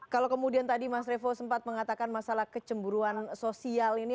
kalau kemudian tadi mas revo sempat mengatakan masalah kecemburuan sosial ini